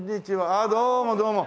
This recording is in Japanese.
ああどうもどうも。